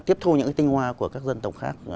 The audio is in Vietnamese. tiếp thu những cái tinh hoa của các dân tộc khác